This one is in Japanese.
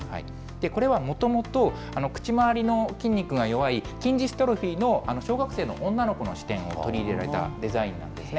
これはもともと、口周りの筋肉が弱い、筋ジストロフィーの小学生の女の子の視点を取り入れられたデザインなんですね。